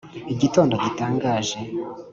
igitondo gitangaje’